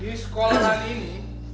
di sekolah ini